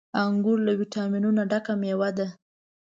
• انګور له ويټامينونو ډک مېوه ده.